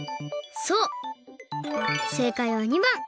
そうせいかいは②ばん！